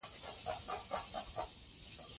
د هغه لخوا د اضطراب کنټرول زده شوی دی.